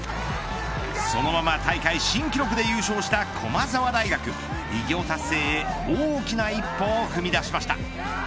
そのまま大会新記録で優勝した駒澤大学偉業達成へ大きな一歩を踏み出しました。